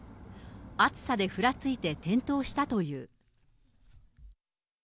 暑さでふらついて、転倒したという。